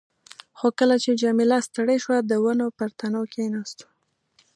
خو کله چې جميله ستړې شوه، د ونو پر تنو کښېناستو.